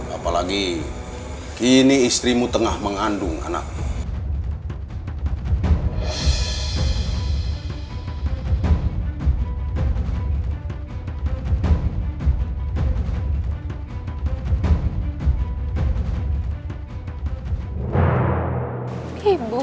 apalagi kini istrimu tengah mengandung anakmu